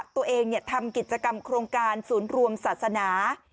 ตัวเองทำกิจกรรมโครงการศูนย์รวมศาสนา